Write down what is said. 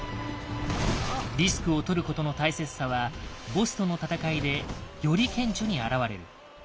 リスクをとることの大切さはボスとの戦いでより顕著にあらわれる。